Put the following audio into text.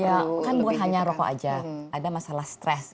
ya kan bukan hanya ngerokok saja ada masalah stress